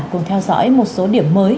cùng theo dõi một số điểm mới